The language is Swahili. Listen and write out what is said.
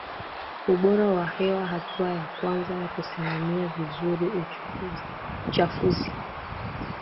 ubora wa hewaHatua ya kwanza ya kusimamia vizuri uchafuzi